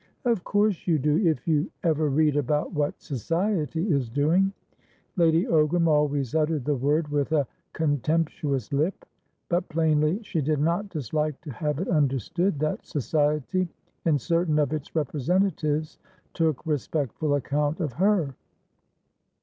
"Of course you do, if you ever read about what Society is doing." Lady Ogram always uttered the word with a contemptuous lip, but plainly she did not dislike to have it understood that Society, in certain of its representatives, took respectful account of her.